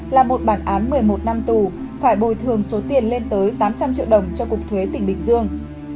là một bản án một mươi một năm tù phải bồi thường số tiền lên tới tám trăm linh triệu đồng cho cục thuế tỉnh bình dương